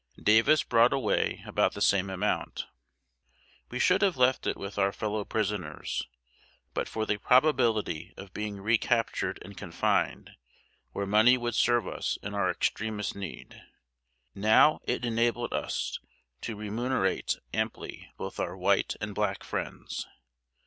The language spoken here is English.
Davis brought away about the same amount. We should have left it with our fellow prisoners, but for the probability of being recaptured and confined, where money would serve us in our extremest need. Now it enabled us to remunerate amply both our white and black friends.